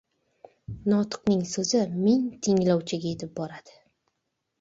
Notiqning So’zi ming tinglovchiga yetib boradi.